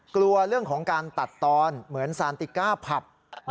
กลัวเรื่องของการตัดตอนเหมือนซานติก้าผับ